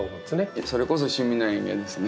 それこそ趣味の園芸ですね。